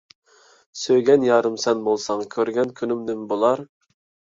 سۆيگەن يارىم سەن بولساڭ، كۆرگەن كۈنۈم نىمە بولار.